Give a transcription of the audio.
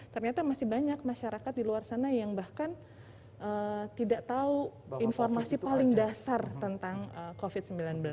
ternyata masih banyak masyarakat di luar sana yang bahkan tidak tahu informasi paling dasar tentang covid sembilan belas